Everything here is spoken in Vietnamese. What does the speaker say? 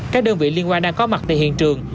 các đơn vị liên quan đang có mặt tại hiện trường